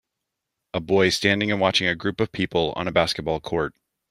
A boy standing and watching a group of people on a basketball court.